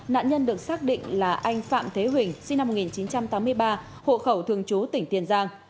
nạn nhân được xác định là anh phạm thế huỳnh sinh năm một nghìn chín trăm tám mươi ba hộ khẩu thường chú tỉnh tiền giang